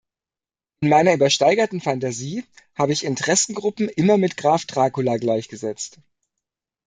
In meiner übersteigerten Fantasie habe ich Interessengruppen immer mit Graf Dracula gleichgesetzt.